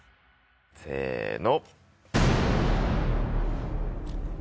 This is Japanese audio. せの。